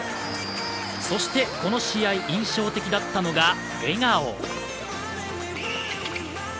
そして、この試合、印象的だったのが笑顔。